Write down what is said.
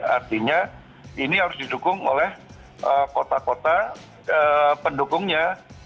artinya ini harus didukung oleh kota kota pendukungnya